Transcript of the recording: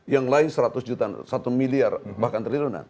yang lain seratus juta satu miliar bahkan triliunan